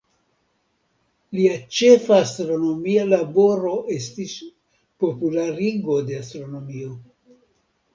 Lia ĉefa astronomia laboro estis popularigo de astronomio.